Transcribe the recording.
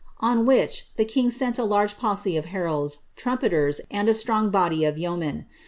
On which the king sent a large posse of heralds, trumpeters, and a strong body of yeomen.